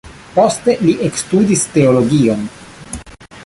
Poste li ekstudis teologion.